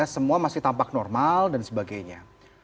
semua masih tampak normal dan sebagainya